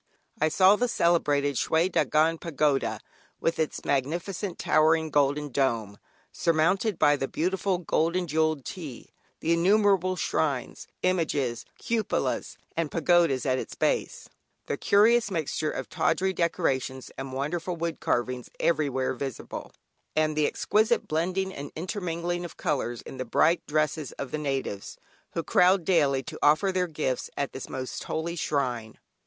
I saw the celebrated "Schwee Dagon Pagoda" with its magnificent towering golden dome, surmounted by the beautiful gold and jewelled "Htee;" the innumerable shrines, images, cupolas, and pagodas at its base, the curious mixture of tawdry decorations and wonderful wood carvings everywhere visible, and the exquisite blending and intermingling of colours in the bright dresses of the natives, who crowd daily to offer their gifts at this most holy shrine.